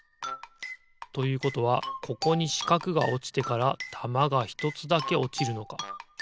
ということはここにしかくがおちてからたまがひとつだけおちるのか。